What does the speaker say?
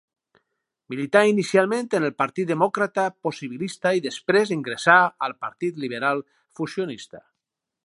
Milità inicialment en el Partit Demòcrata Possibilista i després ingressà al Partit Liberal Fusionista.